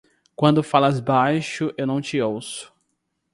Quando falas baixo eu não te ouço.